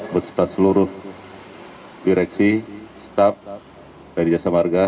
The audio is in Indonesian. beserta seluruh direksi staff dari jasa marga